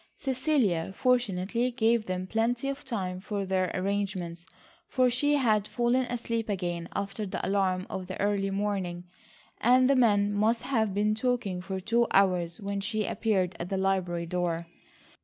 Cecilia, fortunately, gave them plenty of time for their arrangements, for she had fallen asleep again, after the alarm of the early morning, and the men must have been talking for two hours when she appeared at the library door.